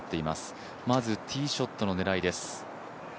まずティーショットの狙いです。